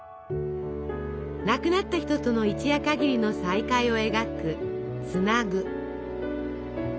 亡くなった人との一夜かぎりの再会を描く「ツナグ」。